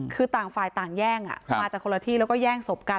คือต่างฝ่ายต่างแย่งมาจากคนละที่แล้วก็แย่งศพกัน